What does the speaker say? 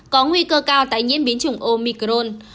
có nguy cơ cao tái nhiễm biến chủng omicron